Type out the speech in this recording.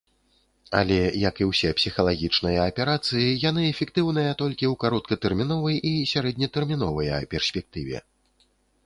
Але як і ўсе псіхалагічныя аперацыі яны эфектыўныя толькі ў кароткатэрміновай і сярэднетэрміновыя перспектыве.